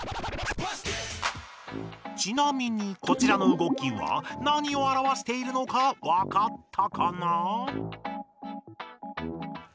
ちなみにこちらの動きはなにをあらわしているのかわかったかな？